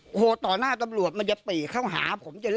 โอ้โฮตอนหน้าตำรวจมันอย่าปิ่เข้าหา